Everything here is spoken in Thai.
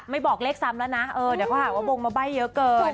บอกเลขซ้ำแล้วนะเออเดี๋ยวเขาหาว่าวงมาใบ้เยอะเกิน